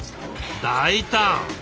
大胆！